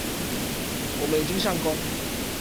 我們已經上工